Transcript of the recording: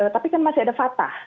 tapi kan masih ada fatah